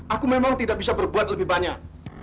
aku memang tidak bisa berbuat lebih banyak